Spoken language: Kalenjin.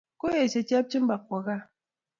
Koesyo Chepchumba kwo kaa.